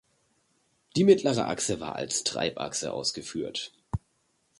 Die mittlere Achse war als Treibachse ausgeführt.